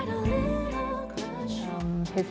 pada saat itu